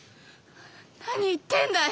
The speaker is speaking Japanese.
何言ってんだい！